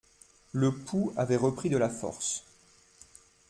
Le pouls avait repris de la force.